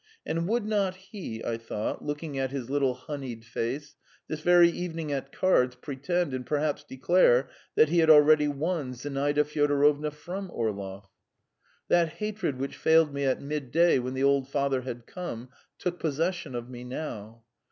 And would not he, I thought, looking at his little honeyed face, this very evening at cards pretend and perhaps declare that he had already won Zinaida Fyodorovna from Orlov? That hatred which failed me at midday when the old father had come, took possession of me now.